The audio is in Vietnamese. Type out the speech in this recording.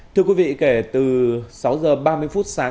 thưa quý vị kể từ sáu giờ ba mươi phút sáng